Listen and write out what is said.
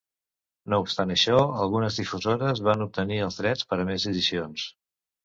No obstant això, algunes difusores van obtenir els drets per a més edicions.